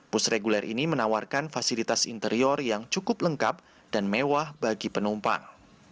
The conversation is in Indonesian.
bus reguler ini menawarkan fasilitas interior yang cukup lengkap dan mewah bagi penumpang